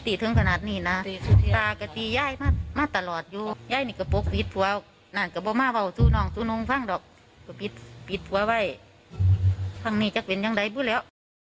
เพราะที่ผ่านมาก็จะมีแค่คำด่าให้เสียใช่ไหมค่ะ